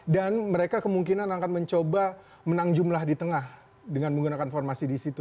dan mereka kemungkinan akan mencoba menang jumlah di tengah dengan menggunakan formasi di situ